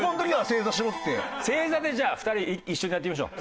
正座でじゃあ２人一緒にやってみましょう。